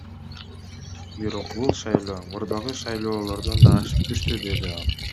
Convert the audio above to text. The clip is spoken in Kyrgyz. Бирок бул шайлоо мурдагы шайлоолордон да ашып түштү, — деди ал.